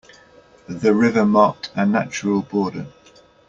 The river marked a natural border.